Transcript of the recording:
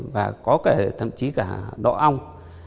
và có thậm chí cả đỏ ong